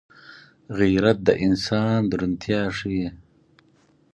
غیرت د انسان درونتيا ښيي